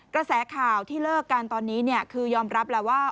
กระแสข่าวที่เลิกกันตอนนี้คือยอมรับแล้วว่า